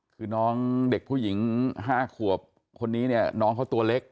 คือน้องเด็กผู้หญิง๕ขวบคนนี้เนี่ยน้องเขาตัวเล็ก